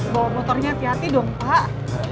bawa motornya hati hati dong pak